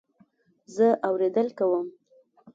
زه اورېدل کوم